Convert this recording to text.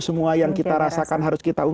semua yang kita rasakan harus kita